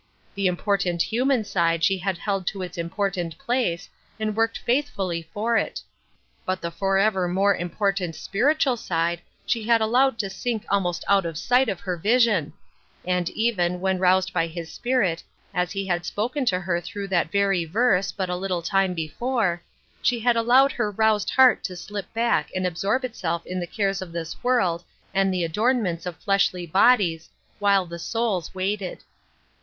The important human side she had held to its important place, and worked faith fully for it. But the forever more important spiritual side she had allowed to sink almost out of sight of her vision; and even, when roused by His Spirit, as He had spoken to her through that very verse, but a little time before, she had allowed her roused heart to slip back and absorb itself in the cares of this world and the adornments of fleshly bodies, while the souls waited.